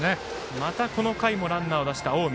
またこの回もランナーを出した近江。